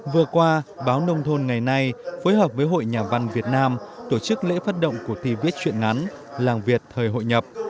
vừa qua báo nông thôn ngày nay phối hợp với hội nhà văn việt nam tổ chức lễ phát động của thi viết chuyện ngắn làng việt thời hội nhập